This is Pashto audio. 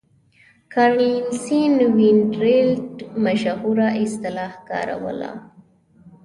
کارنلیوس وینډربیلټ مشهوره اصطلاح کاروله.